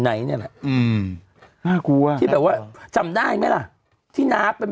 ไหนเนี่ยแหละอืมน่ากลัวที่แบบว่าจำได้ไหมล่ะที่น้าเป็น